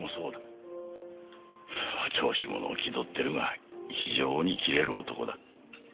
お調子者を気取ってるが非常に切れる男だ。